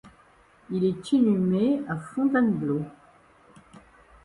Il est inhumé à Fontainebleau.